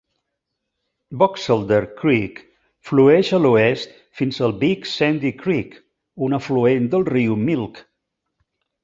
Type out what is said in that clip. Boxelder Creek flueix a l'oest fins al Big Sandy Creek, un afluent del riu Milk.